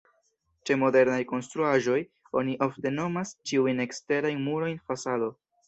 Ĉe modernaj konstruaĵoj oni ofte nomas ĉiujn eksterajn murojn fasado.